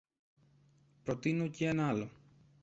Προτείνω κι ένα άλλο.